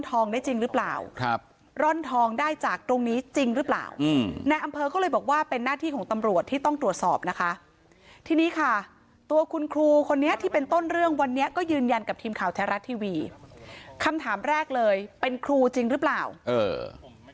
ทีนี้ค่ะตัวคุณครูคนนี้ที่เป็นต้นเรื่องวันนี้ก็ยืนยันกับทีมข่าวแท้รัฐทีวีคำถามแรกเลยเป็นครูจริงหรือเปล่าเออ